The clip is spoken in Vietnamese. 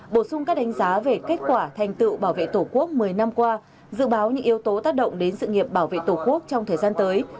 bổ sung các đánh giá về kết quả thành tựu bảo vệ tổ quốc một mươi năm qua dự báo những yếu tố tác động đến sự nghiệp bảo vệ tổ quốc trong thời gian tới